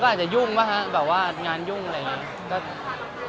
อ๋อก็อาจจะยุ่งป่ะฮะงานยุ่งอะไรอย่างนี้